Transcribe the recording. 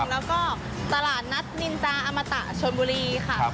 แล้วก็ตลาดนัดนินจาอมตะชนบุรีค่ะ